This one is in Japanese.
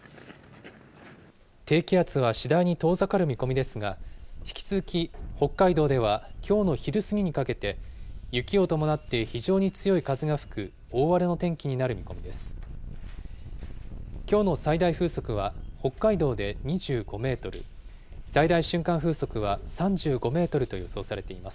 低気圧は次第に遠ざかる見込みですが、引き続き北海道ではきょうの昼過ぎにかけて、雪を伴って非常に強い風が吹く大荒れの天気になる見込みです。